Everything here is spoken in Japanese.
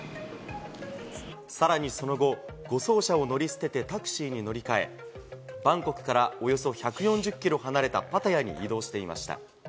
さらにその後、護送車を乗り捨ててタクシーに乗り換え、バンコクからおよそ１４０キロ離れたパタヤに移動していました。